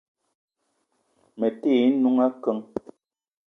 Me te ye n'noung akeng.